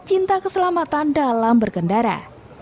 cinta keselamatan dalam berkendara